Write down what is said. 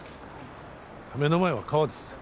目の前は川です